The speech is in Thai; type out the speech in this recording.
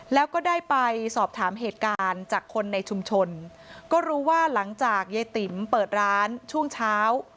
แล้วก็ได้ไปสอบถามเหตุการณ์จากคนในชุมชนก็รู้ว่าหลังจากยายติ๋มเปิดร้านช่วงเช้า